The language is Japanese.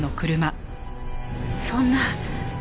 そんな。